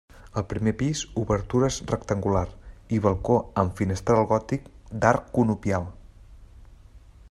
Al primer pis obertures rectangular i balcó amb finestral gòtic d'arc conopial.